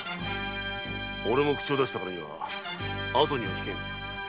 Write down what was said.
俺も口を出したからには後にはひけん。